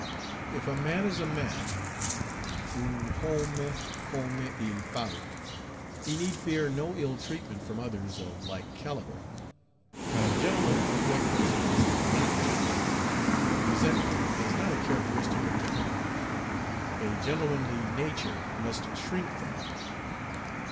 If a man is a man, un homme comme il faut, he need fear no ill treatment from others of like calibre. Gentlemen avoid persons not gentlemen. Resentment is not a characteristic of gentlemen. A gentlemanly nature must shrink from it.